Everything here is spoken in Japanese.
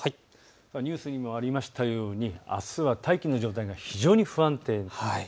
今、ニュースにもありましたようにあすは大気の状態が非常に不安定なんです。